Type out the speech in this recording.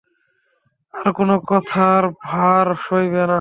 আর কোনো কথার ভার সইবে না।